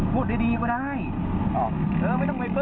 พูดดีกว่าได้โอ้ไม่ต้องไปเปิ้ล